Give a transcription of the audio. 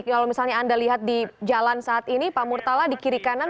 kalau misalnya anda lihat di jalan saat ini pak murtala di kiri kanan